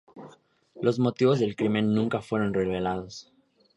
Los motivos del crimen nunca fueron revelados.